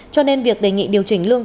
cho nên việc đề nghị điều chỉnh lương